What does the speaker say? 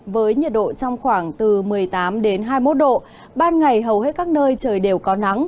với nhiệt độ trong khoảng từ một mươi tám hai mươi một độ ban ngày hầu hết các nơi trời đều có nắng